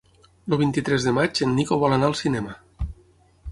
El vint-i-tres de maig en Nico vol anar al cinema.